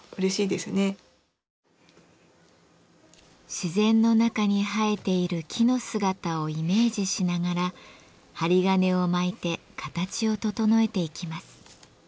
自然の中に生えている木の姿をイメージしながら針金を巻いて形を整えていきます。